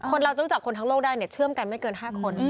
คนเราจะรู้จักคนทั้งโลกได้เนี่ยเชื่อมกันไม่เกิน๕คน